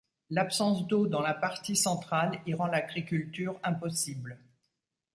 L'absence d'eau dans la partie centrale y rend l'agriculture impossible.